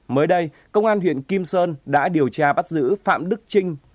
mới đây công an huyện kim sơn đã điều tra bắt giữ phạm đức trinh